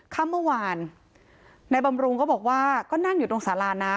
ค่ำเมื่อวานนายบำรุงก็บอกว่าก็นั่งอยู่ตรงสารานะ